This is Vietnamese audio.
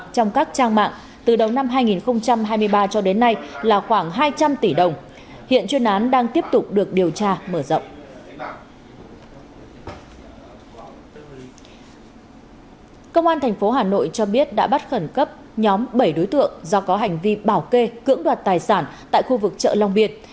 công an thành phố hà nội cho biết đã bắt khẩn cấp nhóm bảy đối tượng do có hành vi bảo kê cưỡng đoạt tài sản tại khu vực chợ long biên